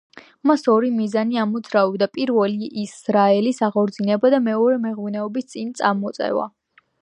მას ორი მიზანი ამოძრავებდა პირველი ისრაელის აღორძინება და მეორე მეღვინეობის წინ წამოწევა.